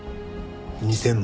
２０００万？